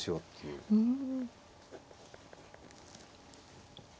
うん。